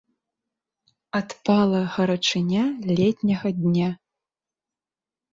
Адпала гарачыня летняга дня.